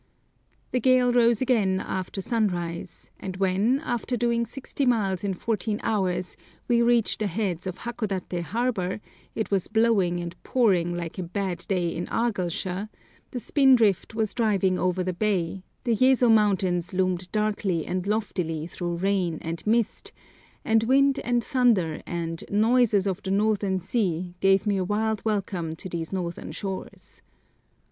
The gale rose again after sunrise, and when, after doing sixty miles in fourteen hours, we reached the heads of Hakodaté Harbour, it was blowing and pouring like a bad day in Argyllshire, the spin drift was driving over the bay, the Yezo mountains loomed darkly and loftily through rain and mist, and wind and thunder, and "noises of the northern sea," gave me a wild welcome to these northern shores.